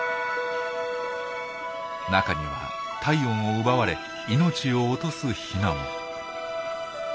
中には体温を奪われ命を落とすヒナも。